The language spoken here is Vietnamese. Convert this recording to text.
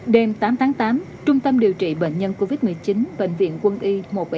đêm tám tháng tám trung tâm điều trị bệnh nhân covid một mươi chín bệnh viện quân y